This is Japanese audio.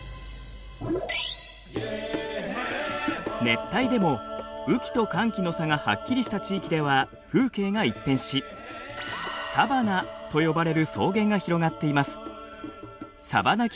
熱帯でも雨季と乾季の差がはっきりした地域では風景が一変しサバナと呼ばれる草原が広がっています。